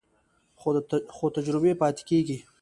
خو تجربې پاتې کېږي.